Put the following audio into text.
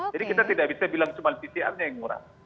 jadi kita tidak bisa bilang cuma pcr nya yang murah